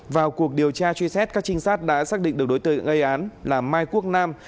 vào cuộc điều tra truy xét các trinh sát đã xác định được đối tượng gây án là mai quốc nam